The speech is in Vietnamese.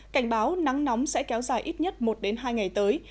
cảnh báo nắng nóng sẽ kéo dài ít nhất một hai ngày tới